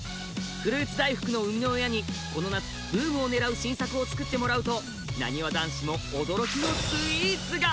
フルーツ大福の生みの親にこの夏ブームを狙う新作をつくってもらうとなにわ男子も驚きのスイーツが！